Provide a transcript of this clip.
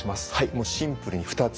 もうシンプルに２つ。